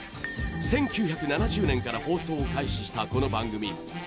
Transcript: １９７０年から放送を開始したこの番組。